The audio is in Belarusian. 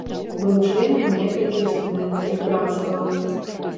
Быў членам некалькіх студэнцкіх брацтваў.